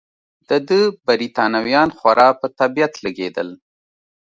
د ده بریتانویان خورا په طبیعت لګېدل.